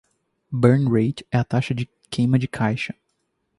Burn Rate é a taxa de queima de caixa.